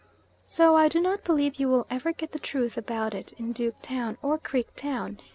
So I do not believe you will ever get the truth about it in Duke Town, or Creek Town.